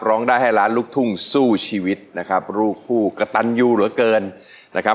ร้องได้ให้ล้านลูกทุ่งสู้ชีวิตนะครับลูกผู้กระตันยูเหลือเกินนะครับ